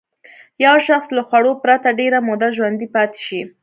یو شخص له خوړو پرته ډېره موده ژوندی پاتې شي.